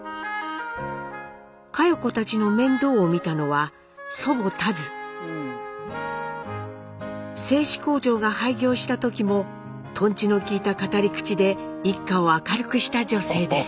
佳代子たちの面倒を見たのは製糸工場が廃業した時もとんちのきいた語り口で一家を明るくした女性です。